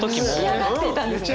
仕上がっていたんですね。